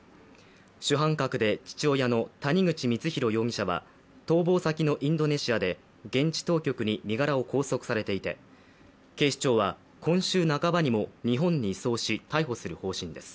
主犯格で父親の谷口光弘容疑者は逃亡先のインドネシアで現地当局に身柄を拘束されていて警視庁は今週半ばにも日本に移送し逮捕する方針です。